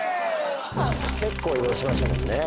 結構移動しましたもんね